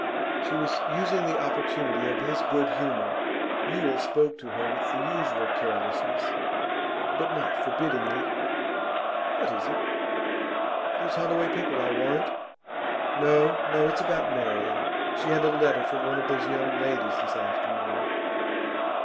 She was using the opportunity of his good humour. Yule spoke to her with the usual carelessness, but not forbiddingly. 'What is it? Those Holloway people, I'll warrant.' 'No, no! It's about Marian. She had a letter from one of those young ladies this afternoon.